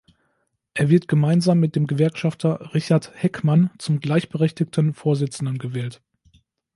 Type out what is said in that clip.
Er wird gemeinsam mit dem Gewerkschafter Richard Heckmann zum gleichberechtigten Vorsitzenden gewählt.